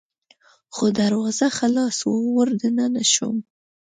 خو دروازه خلاصه وه، ور دننه شوم.